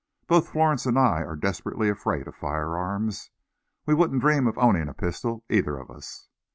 "Both Florence and I are desperately afraid of firearms. We wouldn't dream of owning a pistol either of us."